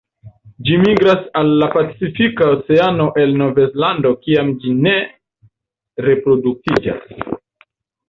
Ĝi migras al la Pacifika Oceano el Novzelando kiam ĝi ne reproduktiĝas.